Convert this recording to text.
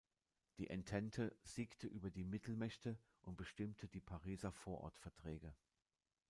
Die Entente siegte über die Mittelmächte und bestimmte die Pariser Vorortverträge.